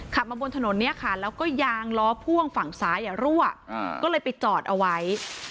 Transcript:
ขับมาบนถนนเนี่ยค่ะแล้วก็ยางล้อพ่วงฝั่งซ้ายรั่วก็เลยไปจอดเอาไว้